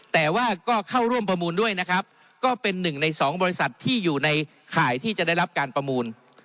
แต่ว่าก็เข้าร่วมประมูลด้วยนะครับก็เป็นหนึ่งในสองบริษัทที่อยู่ในข่ายที่จะได้รับการประมูล